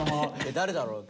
誰だろうな。